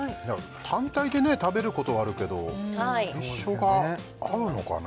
単体でね食べることはあるけど一緒が合うのかね？